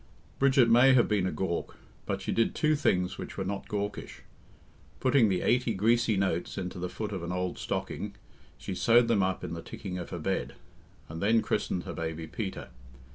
Bridget may have been a gawk, but she did two things which were not gawkish. Putting the eighty greasy notes into the foot of an old stocking, she sewed them up in the ticking of her bed, and then christened her baby Peter.